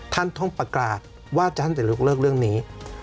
ท่านต้องประกาศว่าท่านจะยกเลิกเรื่องนี้